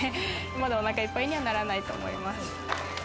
まだおなかいっぱいにはならないと思います。